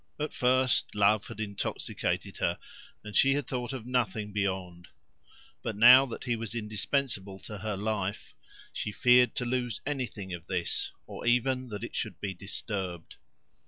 At first, love had intoxicated her; and she had thought of nothing beyond. But now that he was indispensable to her life, she feared to lose anything of this, or even that it should be disturbed.